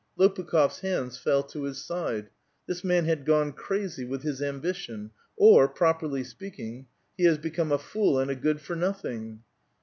Lopukhdfs hands fell to his side. This man has gone crazy with his ambition ; or, properly speaking, he has be come a fool and a good for nothing